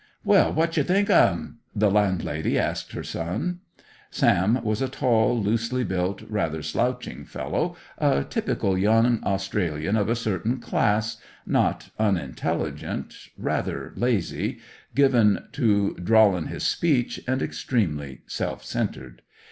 "Well, what jer think of 'im?" the landlady asked of her son. Sam was a tall, loosely built, rather slouching fellow; a typical young Australian of a certain class; not unintelligent, rather lazy, given to drawl in his speech, and extremely self centred.